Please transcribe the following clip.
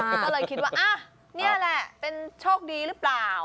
ก็เลยคิดว่านี่แหละเป็นโชคดีหรือเปล่า